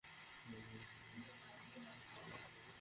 হাজারো অনুরাগী সরে সরে দাঁড়িয়ে গাড়িটিকে এগিয়ে যাওয়ার জায়গা করে দেন।